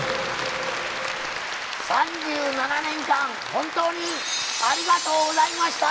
３７年間本当にありがとうございました。